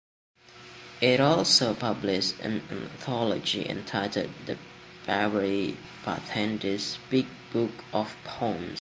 It also published an anthology entitled The Bowery Bartenders Big Book of Poems.